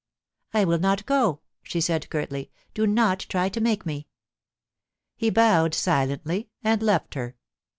* I will not go,* she said curtly ;* do not try to make me.' He bowed silently, and left her.